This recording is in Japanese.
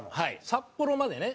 札幌までね